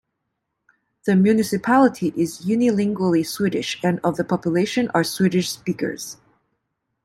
The municipality is unilingually Swedish and of the population are Swedish speakers.